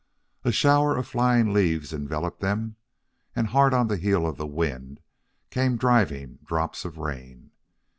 A shower of flying leaves enveloped them, and hard on the heel of the wind came driving drops of rain.